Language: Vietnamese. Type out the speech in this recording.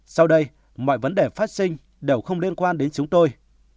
sau đây mọi vấn đề phát sinh đều không liên quan đến chúng tôi